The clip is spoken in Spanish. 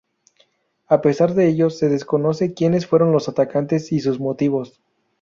A pesar de ellos, se desconoce quienes fueron los atacantes y sus motivos.